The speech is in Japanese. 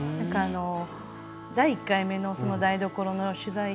第１回の台所の取材